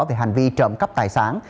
về hành vi trộm cắp tài sản